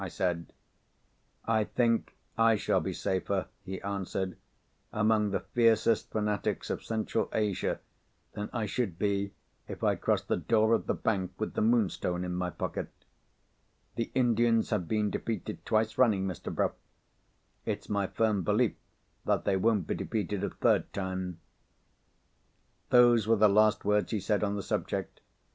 I said. "I think I shall be safer," he answered, "among the fiercest fanatics of Central Asia than I should be if I crossed the door of the bank with the Moonstone in my pocket. The Indians have been defeated twice running, Mr. Bruff. It's my firm belief that they won't be defeated a third time." Those were the last words he said on the subject.